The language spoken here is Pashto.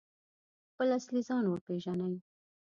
خپل اصلي ځان وپیژني؟